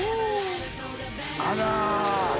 あら！